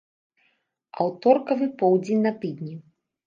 Аўторкавы поўдзень на тыдні.